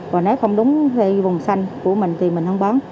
và nếu không đúng thì vùng xanh của mình thì mình không bán